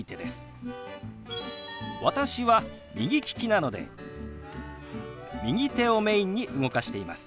私は右利きなので右手をメインに動かしています。